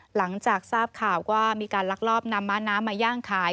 หลังจากทราบข่าวว่ามีการลักลอบนำม้าน้ำมาย่างขาย